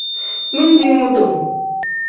Mindi mutu.